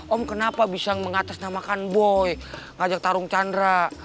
om kenapa bisa mengatas nama boy ngajak tarung chandra